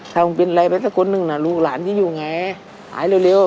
ถ้ามึงเป็นอะไรไปสักคนหนึ่งน่ะลูกหลานจะอยู่ไงหายเร็ว